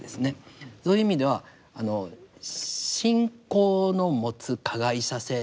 そういう意味ではあの信仰の持つ加害者性。